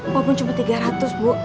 walaupun cuma tiga ratus bu